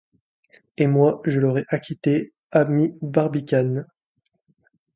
Et moi je l’aurais acquitté, ami Barbicane!